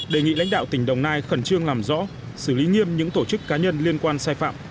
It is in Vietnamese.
đề nghị lãnh đạo tỉnh đồng nai khẩn trương làm rõ xử lý nghiêm những tổ chức cá nhân liên quan sai phạm